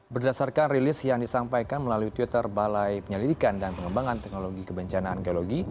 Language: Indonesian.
berdasarkan rilis yang disampaikan melalui twitter balai penyelidikan dan pengembangan teknologi kebencanaan geologi